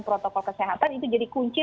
protokol kesehatan itu jadi kunci